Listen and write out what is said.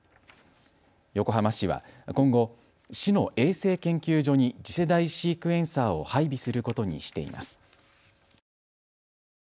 横浜市は今後、市の衛生研究所に次世代シークエンサーを配備することにしています。